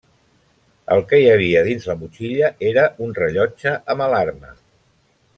El que hi havia dins la motxilla era un rellotge amb alarma.